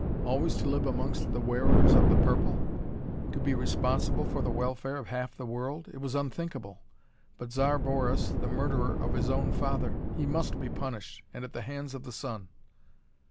Always to live amongst the wearers of the purple? To be responsible for the welfare of half the world? It was unthinkable! But Zar Boris, the murderer of his own father he must be punished, and at the hands of the son!